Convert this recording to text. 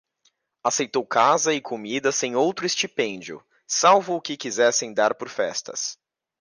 aceitou casa e comida sem outro estipêndio, salvo o que quisessem dar por festas.